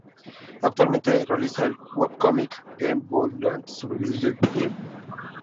Actualmente realiza el webcomic "Game Boy Lands", sobre videojuegos de Game Boy.